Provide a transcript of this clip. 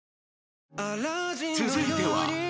［続いては］